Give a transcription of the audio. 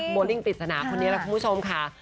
โบลิ่งปริศนาคนนี้แหละคุณผู้ชมค่ะ